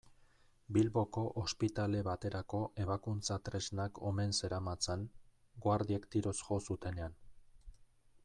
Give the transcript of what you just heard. Bilboko ospitale baterako ebakuntza-tresnak omen zeramatzan, guardiek tiroz jo zutenean.